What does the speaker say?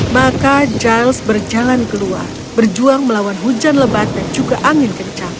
maka giles berjalan keluar berjuang melawan hujan lebat dan juga angin kencang